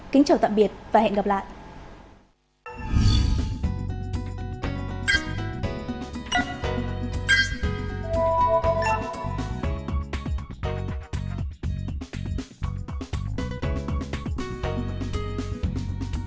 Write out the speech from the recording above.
kính chào tạm biệt và hẹn gặp lại